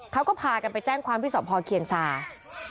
เขาก็พากันไปแจ้งความพิสอบพอเกียรติศาสตร์